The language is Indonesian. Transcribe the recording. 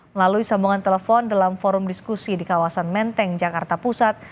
melalui sambungan telepon dalam forum diskusi di kawasan menteng jakarta pusat